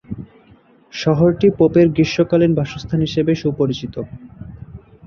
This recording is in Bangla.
শহরটি পোপের গ্রীষ্মকালীন বাসস্থান হিসেবে সুপরিচিত।